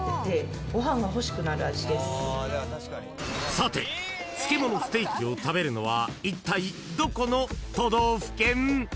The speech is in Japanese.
［さて漬物ステーキを食べるのはいったいどこの都道府県？］